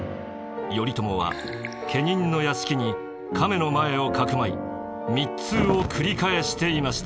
頼朝は家人の屋敷に亀の前をかくまい密通を繰り返していました。